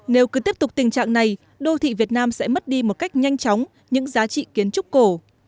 nếu cứ tiếp tục tình trạng này đô thị việt nam sẽ mất đi một cách nhanh chóng những giá trị kiến trúc cổ